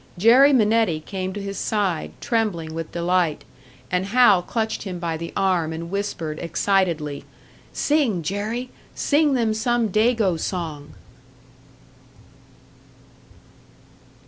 Jerry Minetti came to his side, trembling with delight; and Hal clutched him by the arm and whispered, excitedly, "Sing, Jerry! Sing them some Dago song!"